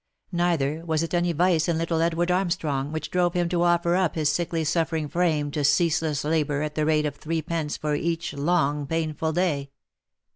Neither was it any vice in little Edward Armstrong, which drove him to offer up his sickly suffering frame to ceaseless labour at the rate of threepence for each long, painful day.